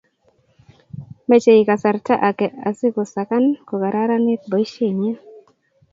mechei kasarta ake asikusakan ko kararanit boisienyin